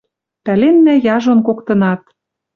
Пӓленнӓ яжон коктынат: